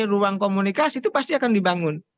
ruang komunikasi itu pasti akan dibangun